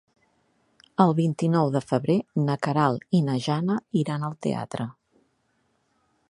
El vint-i-nou de febrer na Queralt i na Jana iran al teatre.